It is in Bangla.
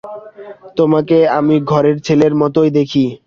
তোমাকে আমি ঘরের ছেলের মতোই দেখি।